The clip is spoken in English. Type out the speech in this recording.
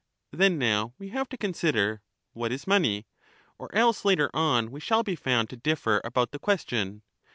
Then now we have to consider, What is money? Or else later on we shall be found to differ about the question.